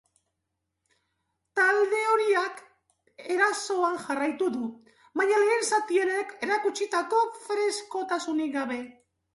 Talde horiak erasoan jarraitu du, baina lehen zatian erakutsitako freskotasunik gabe.